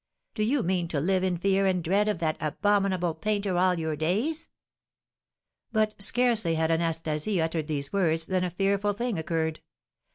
Do you mean to live in fear and dread of that abominable painter all your days?" But scarcely had Anastasie uttered these words than a fearful thing occurred.